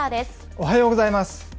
おはようございます。